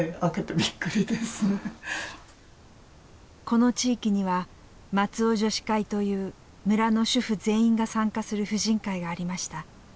この地域には松尾女子会という村の主婦全員が参加する婦人会がありました。